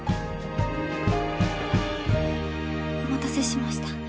お待たせしました。